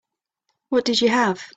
What did you have?